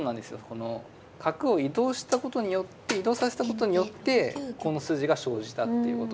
この角を移動したことによって移動させたことによってこの筋が生じたっていうことで。